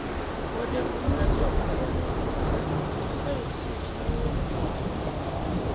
Wadde ng'omulenzi yo mutabani wa musawo, omusawo oyo si ye kitaawe w'omulenzi oyo.